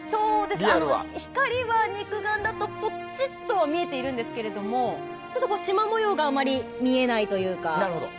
光は肉眼だとぽちっと見えているんですけどちょっと、しま模様があまり見えないというか。